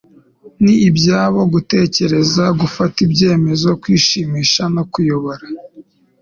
ni ibyabo gutekereza, gufata ibyemezo, kwishimisha no kuyobora;